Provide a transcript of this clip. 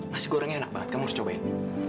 nasi gorengnya enak banget kamu harus cobain